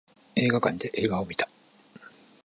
映画館で映画を見た